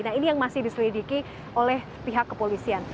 nah ini yang masih diselidiki oleh pihak kepolisian